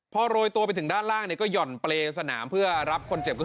พอโรยตัวไปถึงด้านล่างเนี่ยก็หย่อนเปรย์สนามเพื่อรับคนเจ็บก็คือ